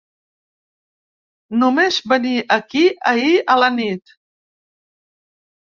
Només venir aquí ahir a la nit.